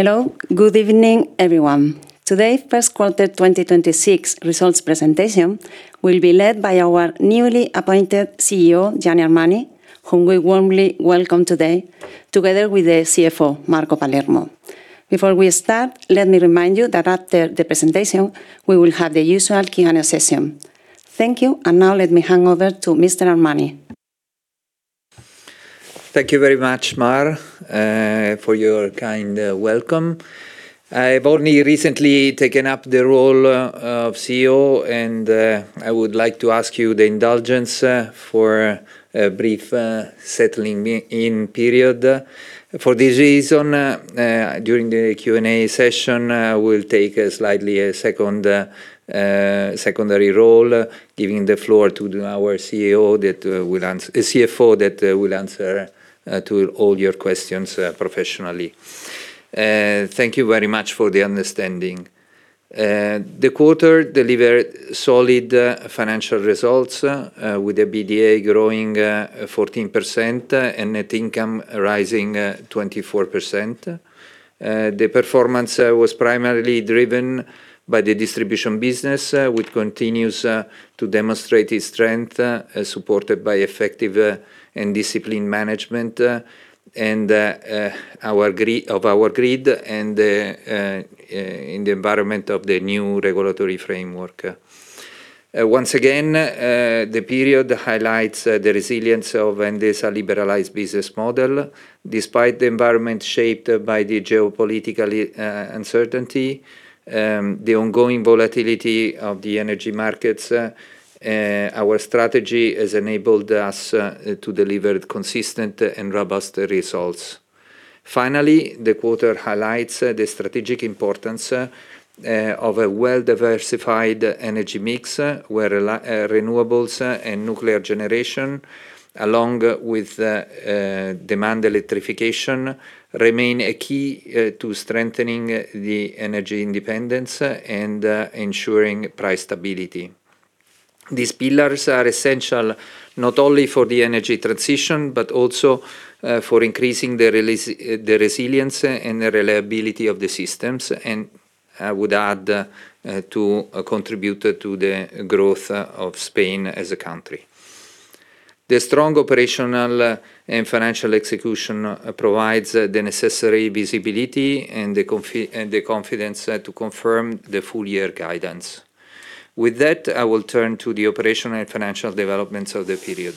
Hello. Good evening, everyone. Today, first quarter 2026 results presentation will be led by our newly appointed CEO, Gianni Armani, whom we warmly welcome today, together with the CFO, Marco Palermo. Before we start, let me remind you that after the presentation, we will have the usual Q&A session. Thank you, and now let me hand over to Mr. Armani. Thank you very much, Mar, for your kind welcome. I've only recently taken up the role of CEO, and I would like to ask you the indulgence for a brief settling-in period. For this reason, during the Q&A session, we'll take a slightly secondary role, giving the floor to our CFO that will answer to all your questions professionally. Thank you very much for the understanding. The quarter delivered solid financial results, with the EBITDA growing 14% and net income rising 24%. The performance was primarily driven by the distribution business, which continues to demonstrate its strength, supported by effective and disciplined management of our grid and in the environment of the new regulatory framework. Once again, the period highlights the resilience of Endesa liberalized business model. Despite the environment shaped by the geopolitical uncertainty, the ongoing volatility of the energy markets, our strategy has enabled us to deliver consistent and robust results. Finally, the quarter highlights the strategic importance of a well-diversified energy mix, where renewables and nuclear generation, along with demand electrification, remain a key to strengthening the energy independence and ensuring price stability. These pillars are essential not only for the energy transition, but also for increasing the resilience and the reliability of the systems, and I would add to contribute to the growth of Spain as a country. The strong operational and financial execution provides the necessary visibility and the confidence to confirm the full year guidance. With that, I will turn to the operational and financial developments of the period.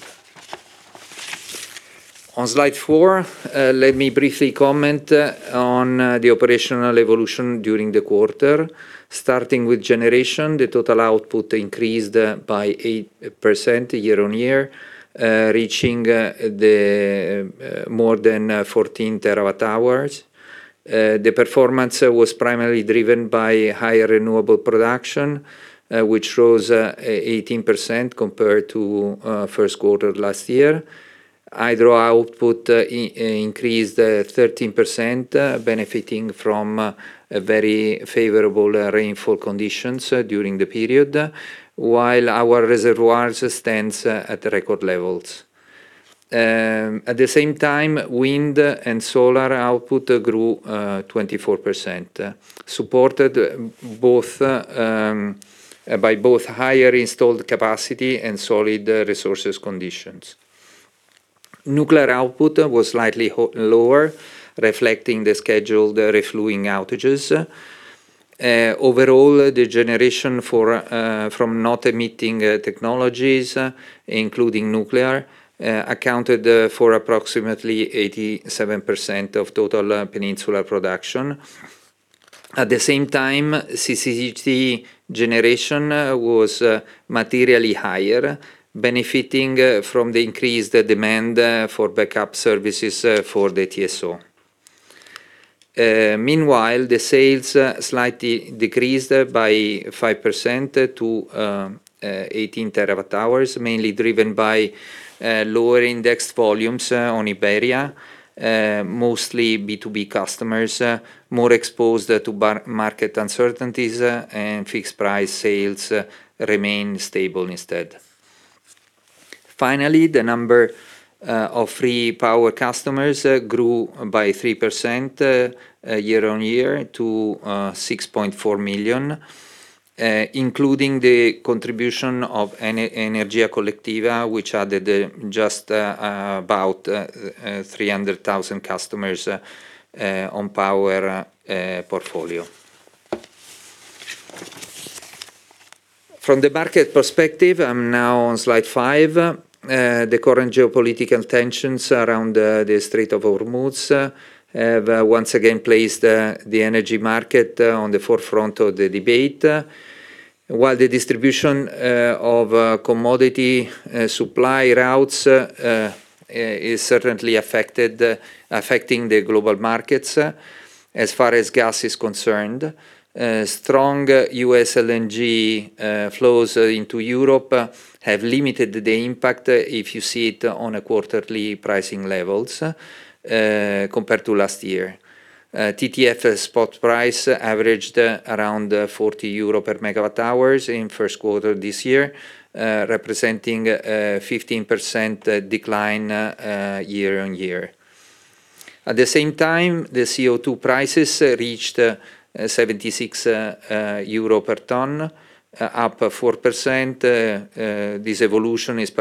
On slide four, let me briefly comment on the operational evolution during the quarter. Starting with generation, the total output increased by 8% year-on-year, reaching the more than 14 TWh. The performance was primarily driven by higher renewable production, which rose 18% compared to first quarter last year. Hydro output increased 13%, benefiting from very favorable rainfall conditions during the period, while our reservoirs stands at record levels. At the same time, wind and solar output grew 24%, supported both by both higher installed capacity and solid resources conditions. Nuclear output was slightly lower, reflecting the scheduled refueling outages. Overall, the generation for from not emitting technologies, including nuclear, accounted for approximately 87% of total peninsular production. At the same time, CCGT generation was materially higher, benefiting from the increased demand for backup services for the TSO. Meanwhile, the sales slightly decreased by 5% to 18 TWh, mainly driven by lower indexed volumes on Iberia, mostly B2B customers, more exposed to market uncertainties, and fixed price sales remain stable instead. Finally, the number of free power customers grew by 3% year on year to 6.4 million, including the contribution of Energía Colectiva, which added just about 300,000 customers on power portfolio. From the market perspective, I'm now on slide five. The current geopolitical tensions around the Strait of Hormuz have once again placed the energy market on the forefront of the debate. While the distribution of commodity supply routes is certainly affected, affecting the global markets as far as gas is concerned. Strong U.S. LNG flows into Europe have limited the impact if you see it on a quarterly pricing levels compared to last year. TTF spot price averaged around 40 euro per megawatt hours in first quarter this year, representing a 15% decline year-on-year. At the same time, the CO2 prices reached 76 euro per ton, up 4%. This evolution is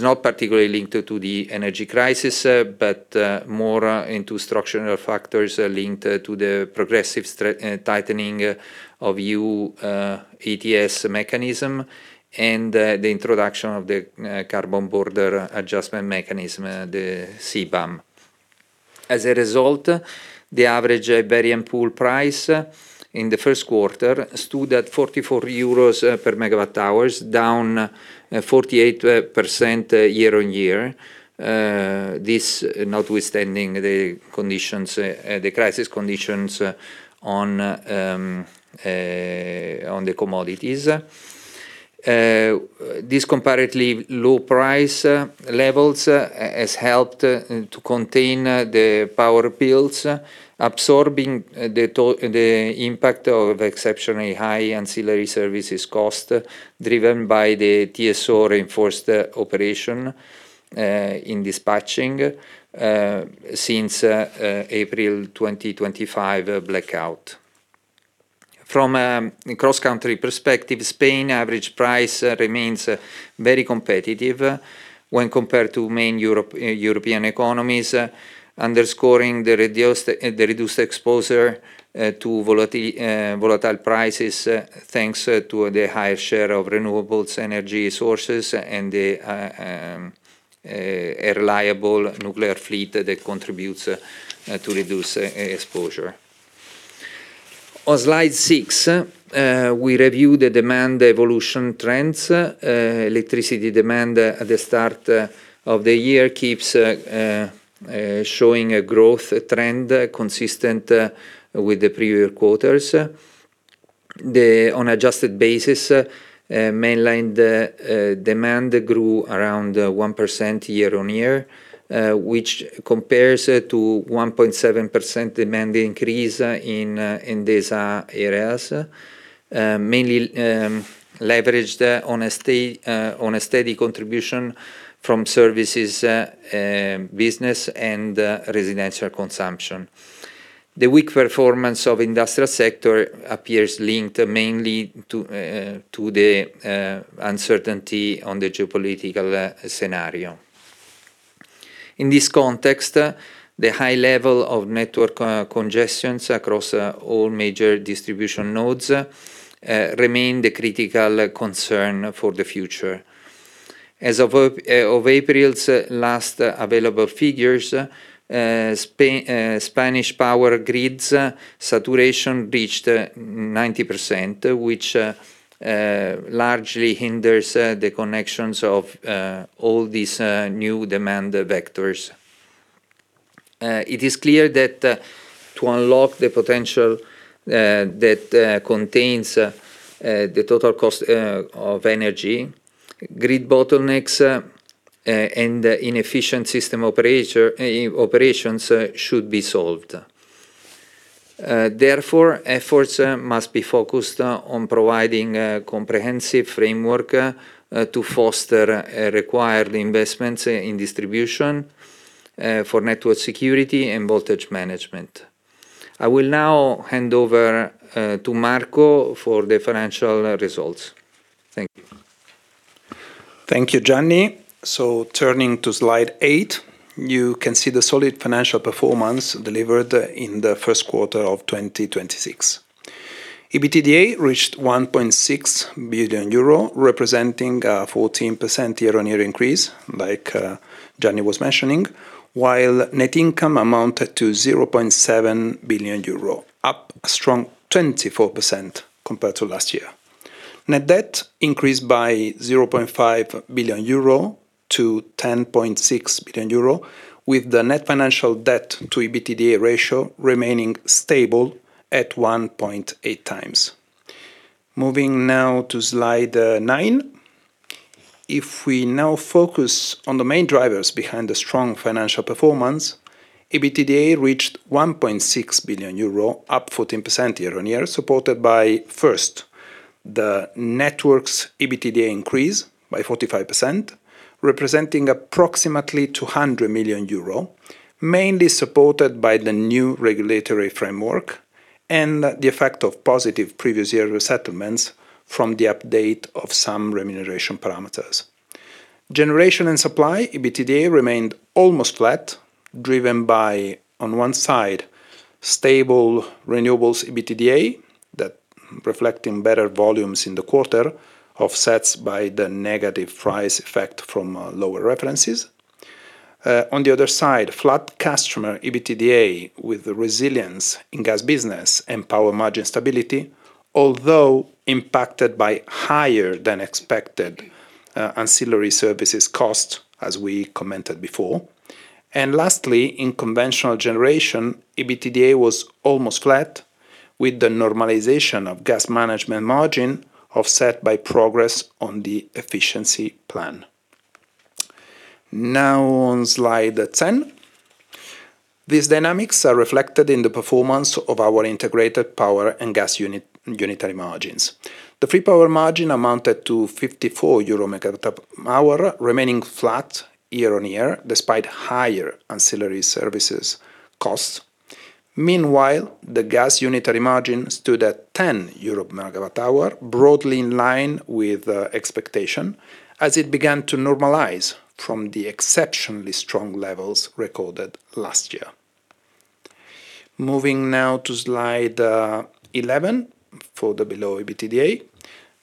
not particularly linked to the energy crisis, but more into structural factors linked to the progressive tightening of EU ETS mechanism and the introduction of the Carbon Border Adjustment Mechanism, the CBAM. As a result, the average Iberian pool price in the first quarter stood at 44 euros per megawatt hours, down 48% year-on-year. This notwithstanding the conditions, the crisis conditions on the commodities. This comparatively low price levels has helped to contain the power bills, absorbing the impact of exceptionally high ancillary services cost, driven by the TSO-reinforced operation in dispatching since April 2025 blackout. From a cross-country perspective, Spain average price remains very competitive when compared to main European economies, underscoring the reduced exposure to volatile prices, thanks to the higher share of renewables energy sources and a reliable nuclear fleet that contributes to reduce exposure. On slide six, we review the demand evolution trends. Electricity demand at the start of the year keeps showing a growth trend consistent with the previous quarters. On adjusted basis, mainland demand grew around 1% year-on-year, which compares to 1.7% demand increase in these areas, mainly leveraged on a steady contribution from services business and residential consumption. The weak performance of industrial sector appears linked mainly to the uncertainty on the geopolitical scenario. In this context, the high level of network congestions across all major distribution nodes remain the critical concern for the future. As of April's last available figures, Spanish power grids saturation reached 90%, which largely hinders the connections of all these new demand vectors. It is clear that to unlock the potential that contains the total cost of energy, grid bottlenecks and inefficient system operator operations should be solved. Therefore, efforts must be focused on providing a comprehensive framework to foster required investments in distribution for network security and voltage management. I will now hand over to Marco for the financial results. Thank you. Thank you, Gianni. Turning to slide eight, you can see the solid financial performance delivered in the first quarter of 2026. EBITDA reached 1.6 billion euro, representing a 14% year-on-year increase, like Gianni was mentioning, while net income amounted to 0.7 billion euro, up a strong 24% compared to last year. Net debt increased by 0.5 billion euro to 10.6 billion euro, with the net financial debt to EBITDA ratio remaining stable at 1.8 times. Moving now to slide nine. If we now focus on the main drivers behind the strong financial performance, EBITDA reached 1.6 billion euro, up 14% year-on-year, supported by, first, the network's EBITDA increase by 45%, representing approximately 200 million euro, mainly supported by the new regulatory framework and the effect of positive previous year resettlements from the update of some remuneration parameters. Generation and supply EBITDA remained almost flat, driven by, on one side, stable renewables EBITDA that, reflecting better volumes in the quarter, offsets by the negative price effect from lower references. On the other side, flat customer EBITDA with resilience in gas business and power margin stability, although impacted by higher than expected ancillary services cost, as we commented before. Lastly, in conventional generation, EBITDA was almost flat, with the normalization of gas management margin offset by progress on the efficiency plan. On slide 10. These dynamics are reflected in the performance of our integrated power and gas unit, unitary margins. The free power margin amounted to 54 euro megawatt hour, remaining flat year-on-year despite higher ancillary services costs. Meanwhile, the gas unitary margin stood at 10 euro megawatt hour, broadly in line with expectation as it began to normalize from the exceptionally strong levels recorded last year. Moving now to slide 11 for the below EBITDA.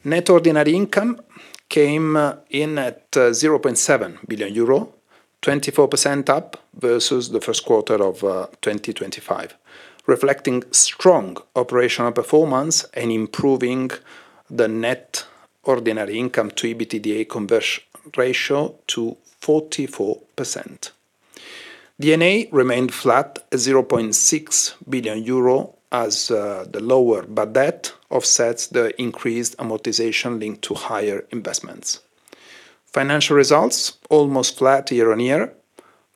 Net ordinary income came in at 0.7 billion euro, 24% up versus the first quarter of 2025, reflecting strong operational performance and improving the net ordinary income to EBITDA conversion ratio to 44%. D&A remained flat at 0.6 billion euro as the lower, but that offsets the increased amortization linked to higher investments. Financial results, almost flat year-on-year.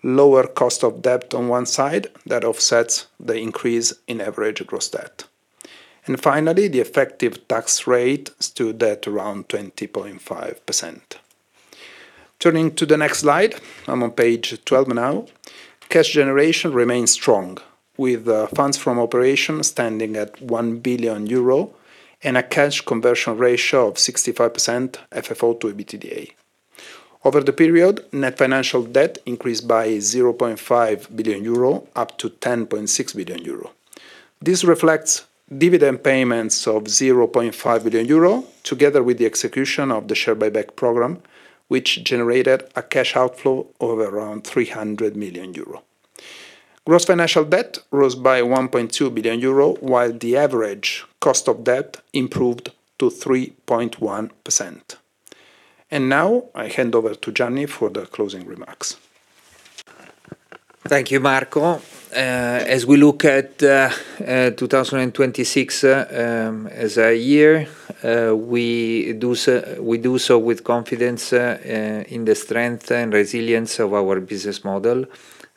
Lower cost of debt on one side that offsets the increase in average gross debt. The effective tax rate stood at around 20.5%. Turning to the next slide, I'm on page 12 now. Cash generation remains strong with funds from operations standing at 1 billion euro and a cash conversion ratio of 65% FFO to EBITDA. Over the period, net financial debt increased by 0.5 billion euro, up- 10.6 billion euro. This reflects dividend payments of 0.5 billion euro, together with the execution of the share buyback program, which generated a cash outflow of around 300 million euro. Gross financial debt rose by 1.2 billion euro, while the average cost of debt improved to 3.1%. I hand over to Gianni for the closing remarks. Thank you, Marco. As we look at 2026 as a year, we do so with confidence in the strength and resilience of our business model,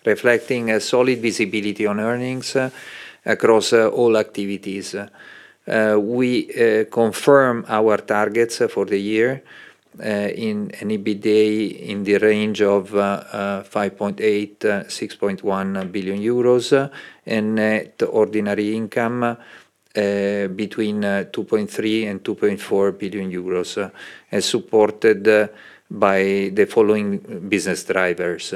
reflecting a solid visibility on earnings across all activities. We confirm our targets for the year in an EBITDA in the range of 5.8 billion-6.1 billion euros, in net ordinary income between 2.3 billion and 2.4 billion euros, as supported by the following business drivers.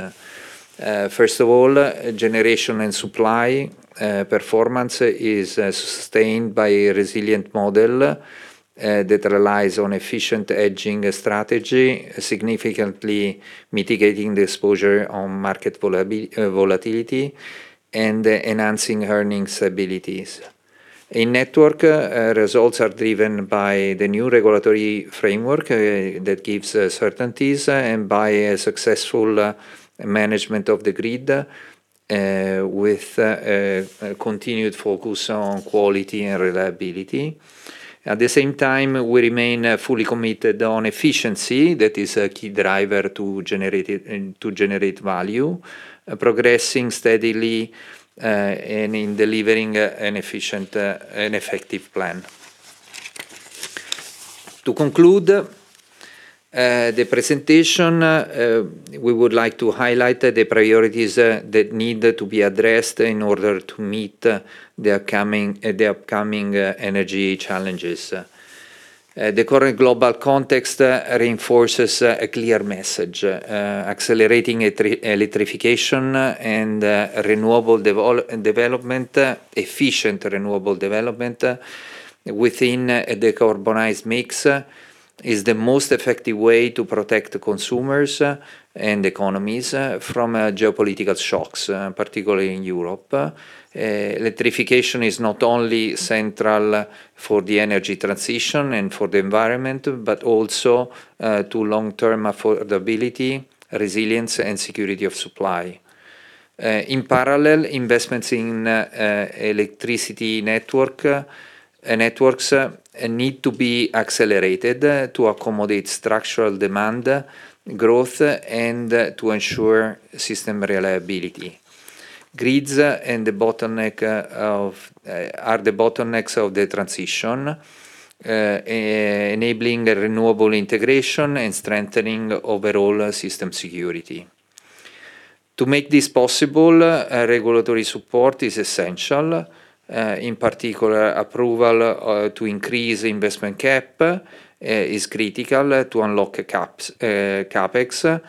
First of all, generation and supply performance is sustained by a resilient model that relies on efficient hedging strategy, significantly mitigating the exposure on market volatility and enhancing earnings abilities. In network, results are driven by the new regulatory framework, that gives certainties and by a successful management of the grid, with a continued focus on quality and reliability. At the same time, we remain fully committed on efficiency. That is a key driver to generate value, progressing steadily, and in delivering an efficient, an effective plan. To conclude, the presentation, we would like to highlight the priorities, that need to be addressed in order to meet the upcoming energy challenges. The current global context reinforces a clear message, accelerating electrification and renewable development, efficient renewable development, within the decarbonized mix, is the most effective way to protect consumers and economies from geopolitical shocks, particularly in Europe. Electrification is not only central for the energy transition and for the environment, but also to long-term affordability, resilience, and security of supply. In parallel, investments in electricity network networks need to be accelerated to accommodate structural demand growth and to ensure system reliability. Grids and the bottleneck of are the bottlenecks of the transition, enabling a renewable integration and strengthening overall system security. To make this possible, regulatory support is essential. In particular, approval to increase investment cap is critical to unlock CapEx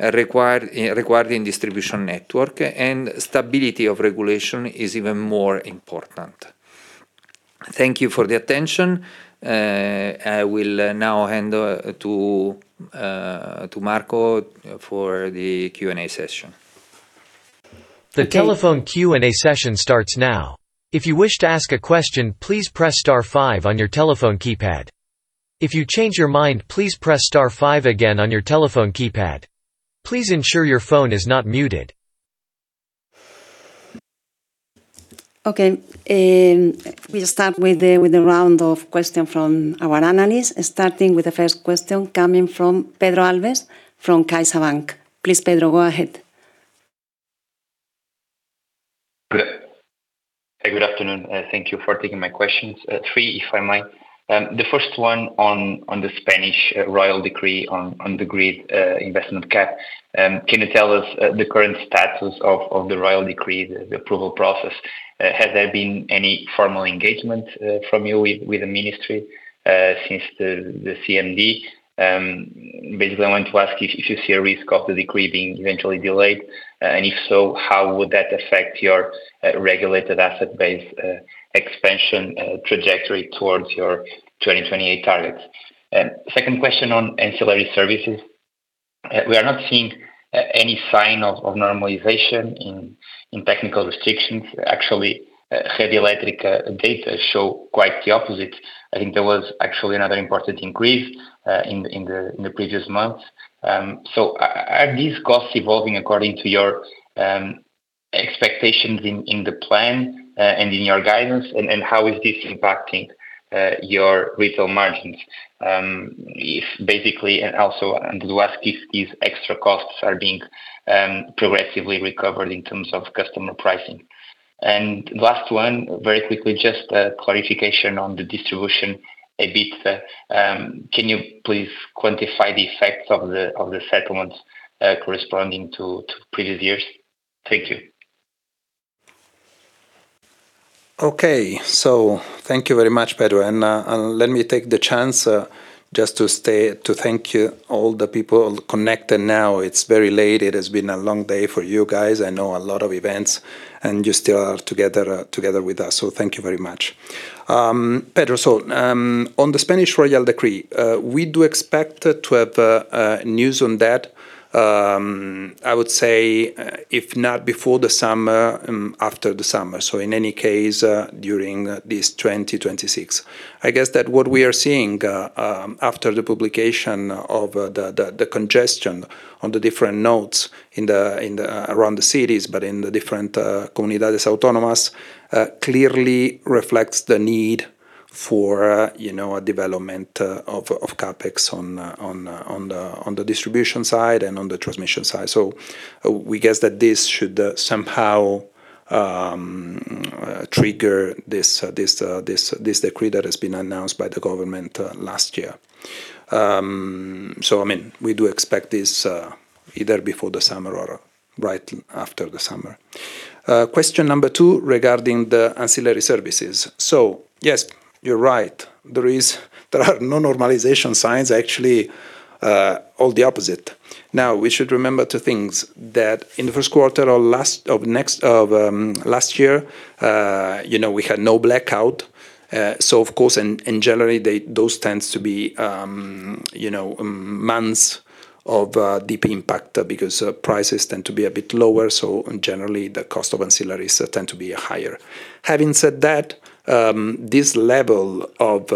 required in distribution network, and stability of regulation is even more important. Thank you for the attention. I will now hand to Marco for the Q&A session. The telephone Q&A session starts now. If you wish to ask a question, please press star-five on your telephone keypad. If you change your mind, please press star five again on your telephone keypad. Please ensure your phone is not muted. Okay. We start with the round of question from our analyst, starting with the first question coming from Pedro Alves from CaixaBank. Please, Pedro, go ahead. Good. Good afternoon. Thank you for taking my questions three, if I might. The first one on the Spanish Royal Decree on the grid investment cap. Can you tell us the current status of the Royal Decree, the approval process? Has there been any formal engagement from you with the ministry since the CMD? Basically, I want to ask if you see a risk of the decree being eventually delayed, and if so, how would that affect your regulated asset base expansion trajectory towards your 2028 targets? Second question on ancillary services. We are not seeing any sign of normalization in technical restrictions. Actually, Red Eléctrica data show quite the opposite. I think there was actually another important increase in the previous months. So are these costs evolving according to your expectations in the plan and in your guidance? How is this impacting your retail margins? If basically, also, the last, if these extra costs are being progressively recovered in terms of customer pricing. Last one, very quickly, just a clarification on the distribution, a bit. Can you please quantify the effects of the settlements corresponding to previous years? Thank you. Okay. Thank you very much, Pedro. Let me take the chance to thank you all the people connected now. It's very late. It has been a long day for you guys. I know a lot of events, and you still are together with us. Thank you very much. Pedro, on the Spanish Royal Decree, we do expect to have news on that, I would say, if not before the summer, after the summer. In any case, during this 2026. I guess that what we are seeing, after the publication of the congestion on the different nodes in the, in the, around the cities, but in the different comunidades autónomas, clearly reflects the need for, you know, a development of CapEx on the distribution side and on the transmission side. We guess that this should somehow trigger this, this decree that has been announced by the government last year. I mean, we do expect this either before the summer or right after the summer. Question number two regarding the ancillary services. Yes, you're right. There are no normalization signs, actually, all the opposite. We should remember two things: that in the first quarter or last year, you know, we had no blackout. Of course, generally, those tends to be, you know, months of deep impact because prices tend to be a bit lower. Generally, the cost of ancillaries tend to be higher. Having said that, this level of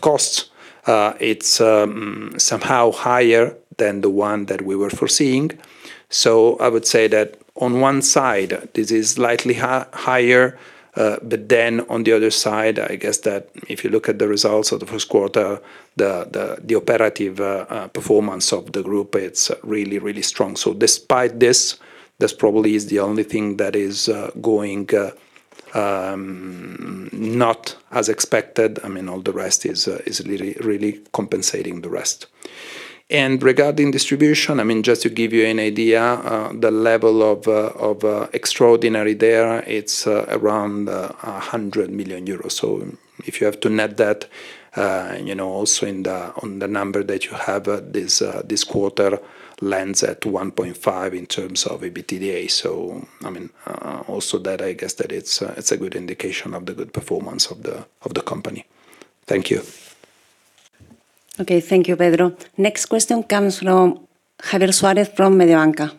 costs, it's somehow higher than the one that we were foreseeing. I would say that on one side, this is slightly higher, on the other side, I guess that if you look at the results of the first quarter, the operative performance of the group, it's really, really strong. Despite this probably is the only thing that is going not as expected. I mean, all the rest is really compensating the rest. Regarding distribution, I mean, just to give you an idea, the level of extraordinary there, it's around 100 million euros. If you have to net that, you know, also in the, on the number that you have this quarter lands at 1.5 in terms of EBITDA. I mean, also that I guess that it's a good indication of the good performance of the company. Thank you. Okay. Thank you, Pedro. Next question comes from Javier Suárez from Mediobanca.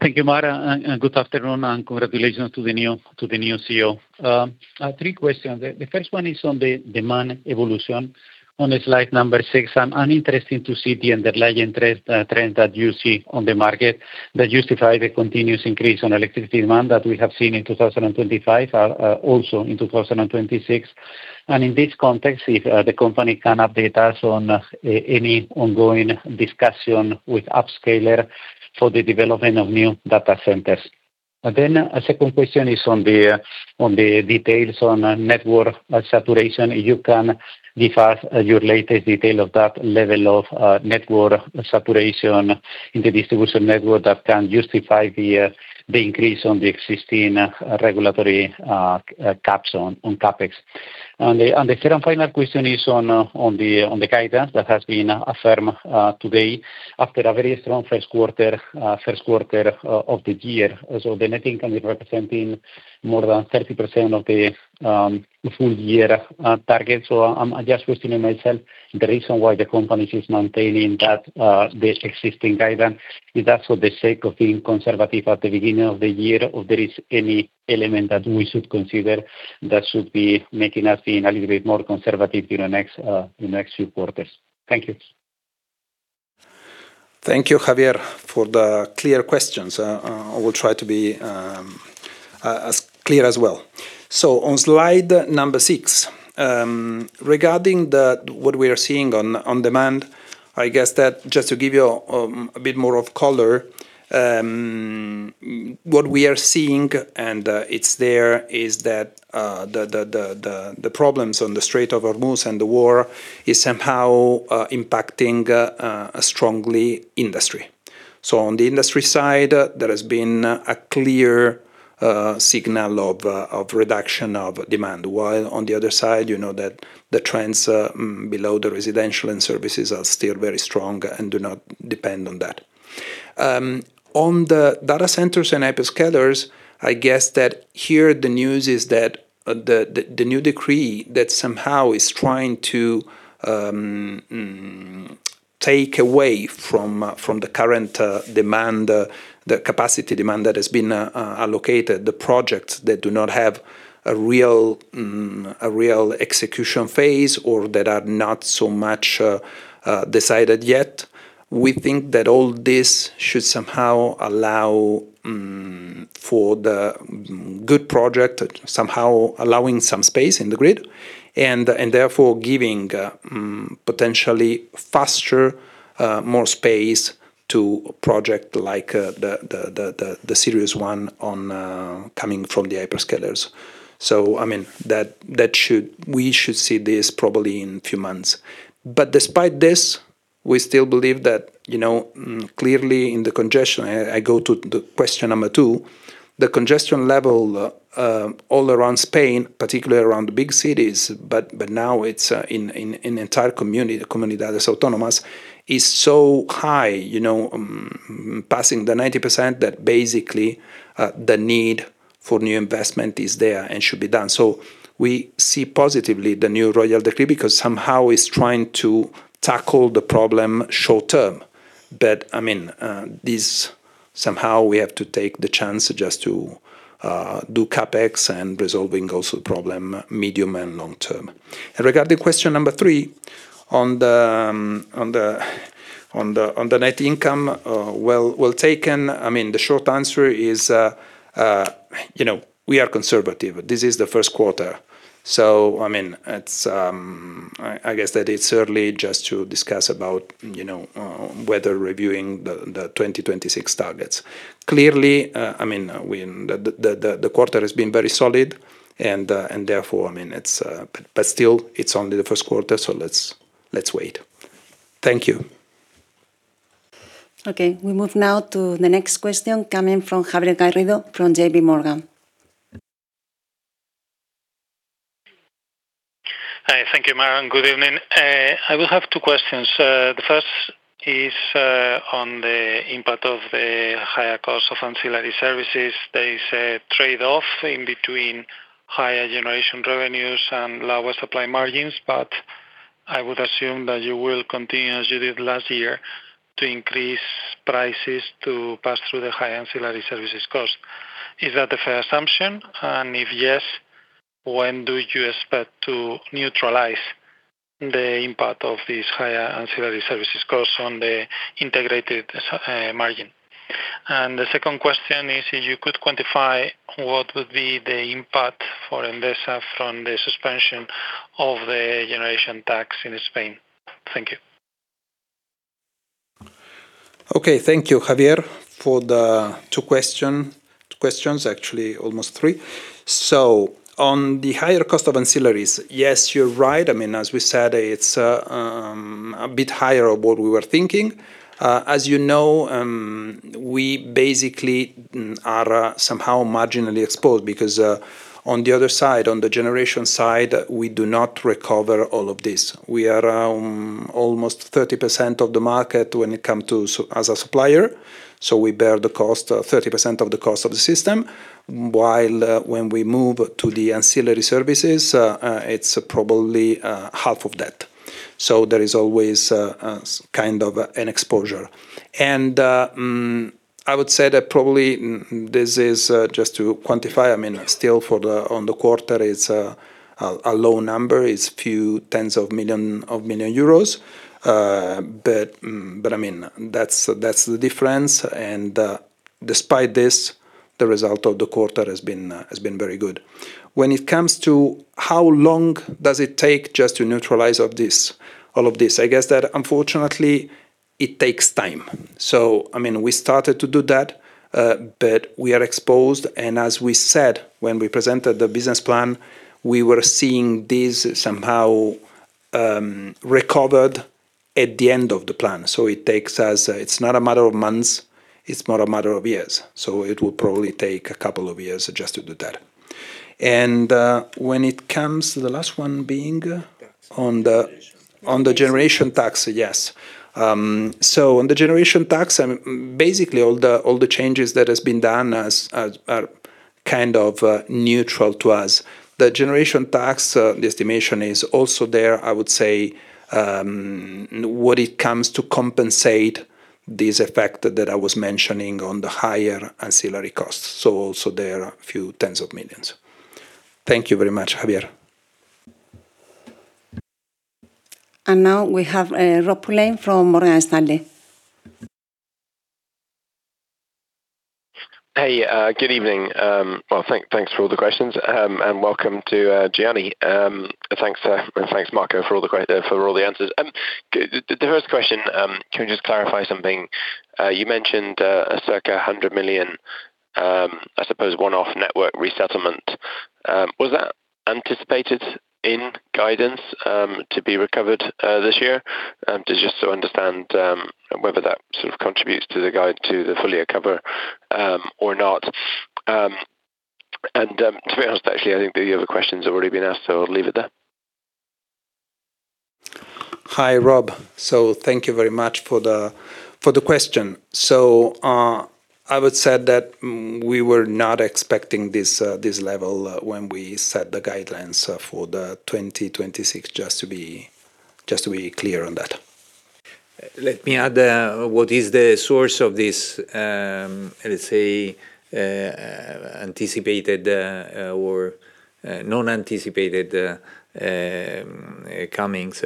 Thank you, Mar, good afternoon, and congratulations to the new CEO. Three questions. The first one is on the demand evolution. On slide six, I'm interested to see the underlying trend that you see on the market that justify the continuous increase on electricity demand that we have seen in 2025, also in 2026. In this context, if the company can update us on any ongoing discussion with hyperscalers for the development of new data centers. Then a second question is on the details on network saturation. You can give us your latest detail of that level of network saturation in the distribution network that can justify the increase on the existing regulatory caps on CapEx. The second final question is on the guidance that has been affirmed today after a very strong first quarter of the year. The net income is representing more than 30% of the full-year target. I'm just questioning myself the reason why the company is maintaining that the existing guidance. Is that for the sake of being conservative at the beginning of the year, or there is any element that we should consider that should be making us being a little bit more conservative in the next few quarters? Thank you. Thank you, Javier, for the clear questions. I will try to be as clear as well. On slide number six, regarding what we are seeing on demand, I guess that just to give you a bit more of color, what we are seeing, and it's there, is that the problems on the Strait of Hormuz and the war is somehow impacting strongly industry. On the industry side, there has been a clear signal of reduction of demand, while on the other side, you know that the trends below the residential and services are still very strong and do not depend on that. On the data centers and hyperscalers, I guess that here the news is that the new Royal Decree that somehow is trying to take away from the current demand, the capacity demand that has been allocated, the projects that do not have a real execution phase or that are not so much decided yet. We think that all this should somehow allow for the good project, somehow allowing some space in the grid and therefore giving potentially faster, more space to project like the serious one on coming from the hyperscalers. I mean, we should see this probably in few months. Despite this, we still believe that, you know, clearly in the congestion, I go to the question number two, the congestion level all around Spain, particularly around the big cities, but now it's in entire community, comunidad autónoma, is so high, you know, passing the 90% that basically the need for new investment is there and should be done. We see positively the new Royal Decree because somehow it's trying to tackle the problem short-term. I mean, this somehow we have to take the chance just to do CapEx and resolving also the problem medium and long term. Regarding question number three on the net income, well taken. I mean, the short answer is, you know, we are conservative. This is the first quarter. I mean, it's, I guess that it's early just to discuss about, you know, whether reviewing the 2026 targets. Clearly, I mean, The quarter has been very solid and, therefore, I mean, it's. Still it's only the first quarter, so let's wait. Thank you. Okay. We move now to the next question coming from Javier Garrido from JPMorgan. Hi. Thank you, Mar. Good evening. I will have two questions. The first is on the impact of the higher cost of ancillary services. There is a trade-off in between higher generation revenues and lower supply margins. I would assume that you will continue, as you did last year, to increase prices to pass through the high ancillary services cost. Is that a fair assumption? If yes, when do you expect to neutralize the impact of these higher ancillary services cost on the integrated margin? The second question is, if you could quantify what would be the impact for Endesa from the suspension of the generation tax in Spain. Thank you. Thank you, Javier, for the two questions, actually almost three. On the higher cost of ancillaries, yes, you're right. I mean, as we said, it's a bit higher of what we were thinking. As you know, we basically are somehow marginally exposed because on the other side, on the generation side, we do not recover all of this. We are around almost 30% of the market when it come to as a supplier, we bear the cost, 30% of the cost of the system. While when we move to the ancillary services, it's probably half of that. There is always kind of an exposure. I would say that probably, this is, just to quantify, I mean, still for the on the quarter, it's a low number. It's few tens of million EUR. I mean, that's the difference. Despite this, the result of the quarter has been very good. When it comes to how long does it take just to neutralize of this, all of this? I guess that unfortunately it takes time. I mean, we started to do that, but we are exposed, and as we said when we presented the business plan, we were seeing this somehow recovered at the end of the plan. It takes us. It's not a matter of months, it's more a matter of years.It will probably take a couple of years just to do that. When it comes to the last one being. Tax on the generation. On the generation tax. Yes. On the generation tax, basically all the changes that has been done as are kind of neutral to us. The generation tax, the estimation is also there, I would say, when it comes to compensate this effect that I was mentioning on the higher ancillary costs. Also there are a few tens of millions. Thank you very much, Javier. Now we have Robert Pulleyn from Morgan Stanley. Hey, good evening. Well, thanks for all the questions, and welcome to Gianni. Thanks, and thanks, Marco, for all the great for all the answers. The first question, can we just clarify something? You mentioned a circa 100 million I suppose one-off network resettlement. Was that anticipated in guidance, to be recovered this year? To understand whether that sort of contributes to the guide, to the full-year cover, or not. To be honest, actually, I think the other questions have already been asked, so I'll leave it there. Hi, Robert. Thank you very much for the question. I would say that we were not expecting this level when we set the guidelines for 2026, just to be clear on that. Let me add what is the source of this, let's say, anticipated or non-anticipated comings.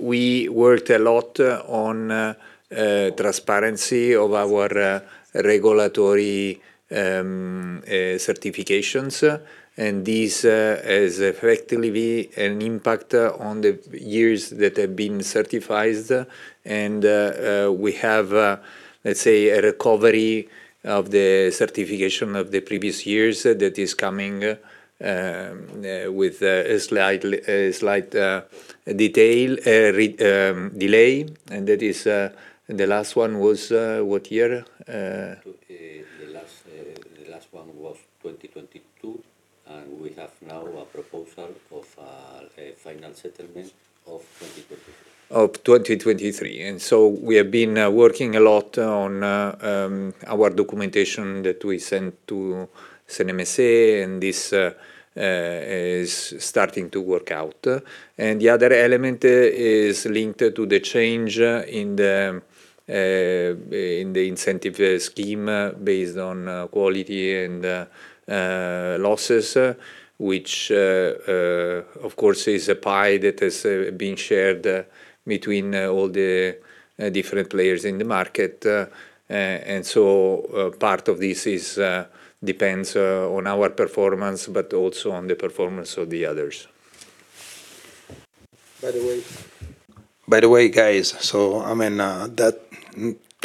We worked a lot on transparency of our regulatory certifications, and this has effectively an impact on the years that have been certified. We have, let's say, a recovery of the certification of the previous years that is coming with a slight detail, delay, and that is, the last one was what year? The last, the last one was 2022, and we have now a proposal of, a final settlement of 2023. Of 2023. We have been working a lot on our documentation that we sent to CNMC, and this is starting to work out. The other element is linked to the change in the incentive scheme based on quality and losses, which, of course, is a pie that has been shared between all the different players in the market. Part of this depends on our performance, but also on the performance of the others. By the way, guys, I mean,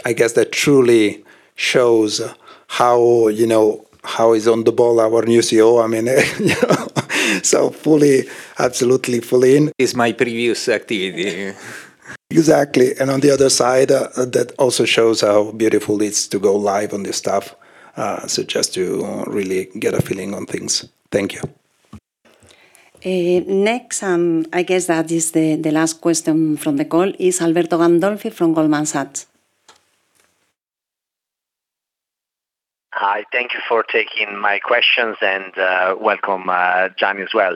I guess that truly shows how, you know, how is on the ball our new CEO. I mean, you know, absolutely fully in. Is my previous activity. Exactly. On the other side, that also shows how beautiful it's to go live on this stuff, so just to really get a feeling on things. Thank you. Next, I guess that is the last question from the call is Alberto Gandolfi from Goldman Sachs. Hi. Thank you for taking my questions, and welcome, Gianni as well.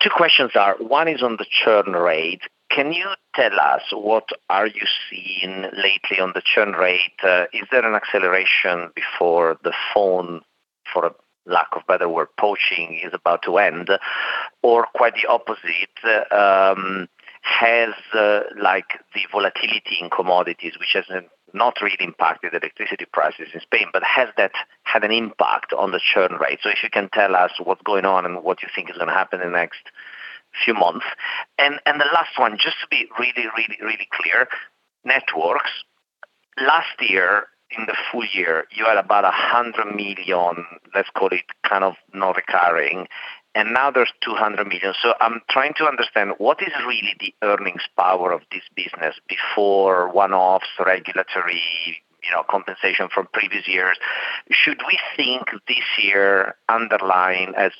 Two questions are, one is on the churn rate. Can you tell us what are you seeing lately on the churn rate? Is there an acceleration before the phone, for lack of better word, poaching is about to end? Or quite the opposite, has, like, the volatility in commodities, which has not really impacted electricity prices in Spain, but has that had an impact on the churn rate? If you can tell us what's going on and what you think is gonna happen in the next few months. The last one, just to be really, really, really clear, networks. Last year, in the full year, you had about 100 million, let's call it kind of non-recurring, and now there's 200 million. I'm trying to understand, what is really the earnings power of this business before one-offs, regulatory, you know, compensation from previous years? Should we think this year underlying as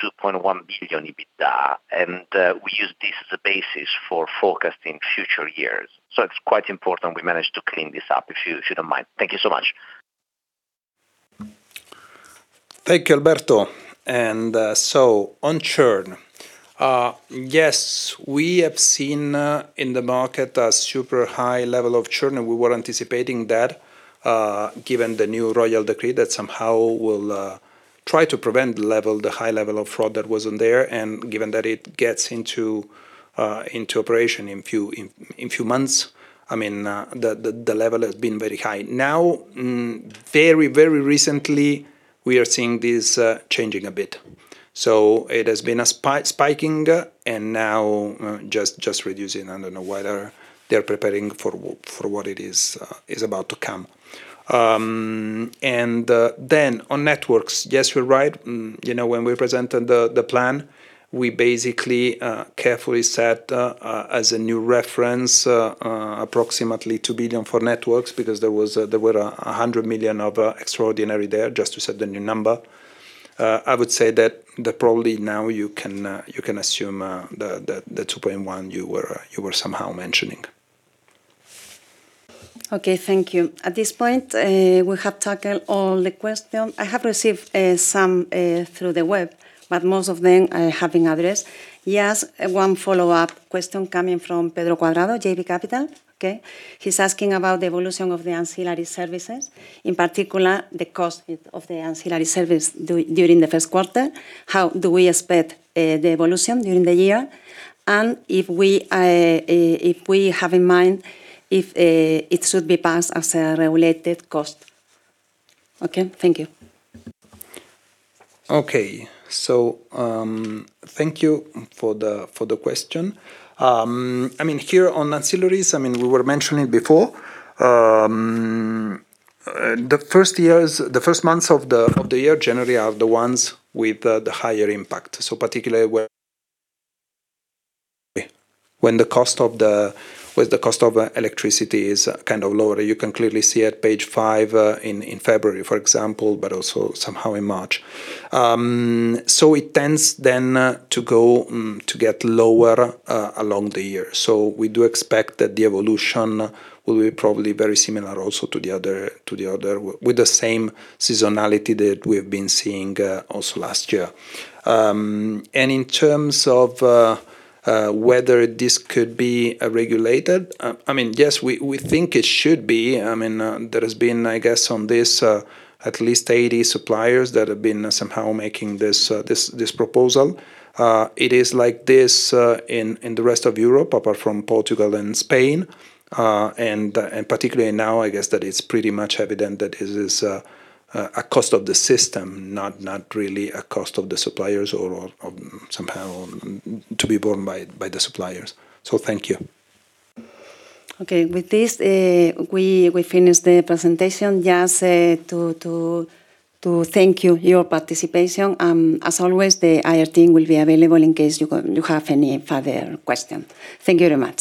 2 billion-2.1 billion EBITDA, we use this as a basis for forecasting future years? It's quite important we manage to clean this up, if you don't mind. Thank you so much. Thank you, Alberto. On churn, yes, we have seen in the market a super high level of churn, and we were anticipating that, given the new Royal Decree that somehow will try to prevent the level, the high level of fraud that was in there, and given that it gets into operation in few months. I mean, the level has been very high. Now, very recently, we are seeing this changing a bit. It has been spiking and now just reducing. I don't know whether they're preparing for what it is about to come. Then on networks, yes, you're right. You know, when we presented the plan, we basically carefully set as a new reference approximately 2 billion for networks because there were 100 million of extraordinary there just to set the new number. I would say that probably now you can assume the 2.1 billion you were somehow mentioning. Okay, thank you. At this point, we have tackled all the question. I have received some through the web, but most of them I have been addressed. Yes, one follow-up question coming from Pablo Cuadrado, JB Capital. Okay. He's asking about the evolution of the ancillary services, in particular, the cost of the ancillary service during the first quarter. How do we expect the evolution during the year? If we have in mind if it should be passed as a regulated cost. Okay, thank you. Thank you for the question. I mean, here on ancillaries, I mean, we were mentioning before, the first years, the first months of the year generally are the ones with the higher impact. Particularly when the cost of electricity is kind of lower. You can clearly see at page five, in February, for example, but also somehow in March. It tends then to go to get lower along the year. We do expect that the evolution will be probably very similar also to the other with the same seasonality that we've been seeing also last year. In terms of whether this could be regulated, I mean, yes, we think it should be. I mean, there has been, I guess, on this, at least 80 suppliers that have been somehow making this proposal. It is like this in the rest of Europe, apart from Portugal and Spain. Particularly now, I guess that it's pretty much evident that this is a cost of the system, not really a cost of the suppliers or somehow to be borne by the suppliers. Thank you. Okay. With this, we finish the presentation. Just to thank you, your participation. As always, the IR team will be available in case you have any further question. Thank you very much.